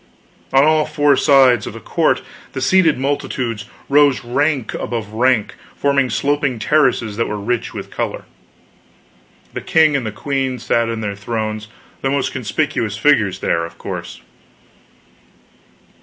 On all four sides of the court the seated multitudes rose rank above rank, forming sloping terraces that were rich with color. The king and the queen sat in their thrones, the most conspicuous figures there, of course.